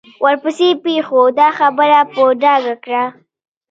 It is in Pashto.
ورپسې پېښو دا خبره په ډاګه کړه.